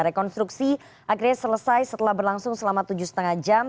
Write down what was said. rekonstruksi akhirnya selesai setelah berlangsung selama tujuh lima jam